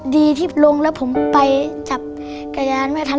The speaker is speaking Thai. ดีที่ลงแล้วผมไปจับกระยานไม่ทัน